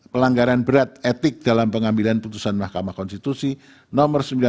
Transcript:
pelanggaran berat etik dalam pengambilan putusan mahkamah konstitusi nomor sembilan puluh sembilan